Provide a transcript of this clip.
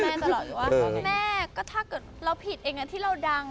แม่ก็ถ้าเกิดเราผิดเองอ่ะที่เราดังอ่ะ